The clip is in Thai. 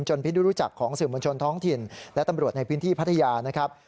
พิรุรู้จักของสื่อมวลชนท้องถิ่นและตำรวจในพื้นที่พัทยานะครับ